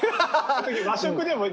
和食でも。